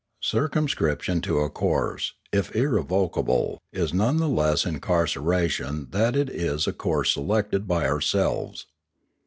Circumscription to a course, if irrevocable, is none the less incarceration that it is a course selected by ourselves.